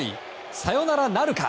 サヨナラなるか。